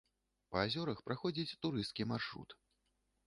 Па азёрах праходзіць турысцкі маршрут.